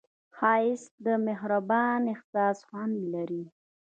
ښایست د مهربان احساس خوند لري